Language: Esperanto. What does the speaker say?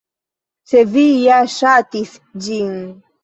Se vi ja ŝatis ĝin